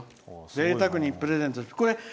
ぜいたくにプレゼントです。